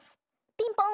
ピンポン！